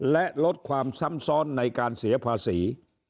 และลดความซ้ำซ้อนในการเสียภาษี